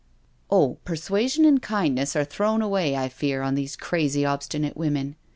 " Oh, persuasion and kindness are thrown away, I fear, on these crazy, obstinate women."